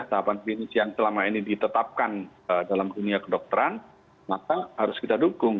tahapan klinis yang selama ini ditetapkan dalam dunia kedokteran maka harus kita dukung